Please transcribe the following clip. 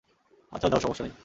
আচ্ছা যাও, সমস্যা নেই।